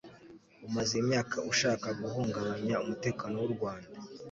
umaze imyaka ushaka guhungabanya umutekano w'u rwanda